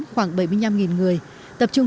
khoảng bảy mươi năm người tập trung